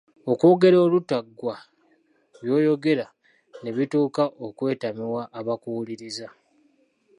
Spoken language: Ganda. Okwogera olutaggwa byoyogera ne bituuka okwetamibwa abakuwuliriza.